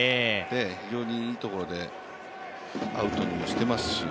非常にいいところでアウトにしてますし。